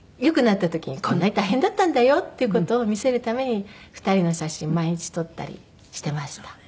良くなった時にこんなに大変だったんだよっていう事を見せるために２人の写真毎日撮ったりしてました。